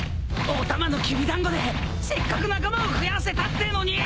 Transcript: お玉のきびだんごでせっかく仲間を増やせたってーのに。